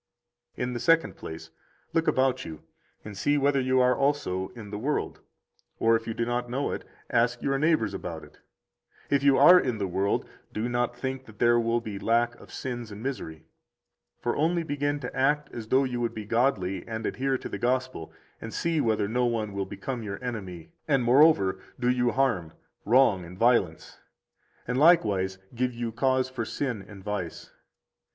79 In the second place, look about you and see whether you are also in the world, or if you do not know it, ask your neighbors about it. If you are in the world, do not think that there will be lack of sins and misery. For only begin to act as though you would be godly and adhere to the Gospel, and see whether no one will become your enemy, and, moreover, do you harm, wrong, and violence, and likewise give you cause for sin and vice.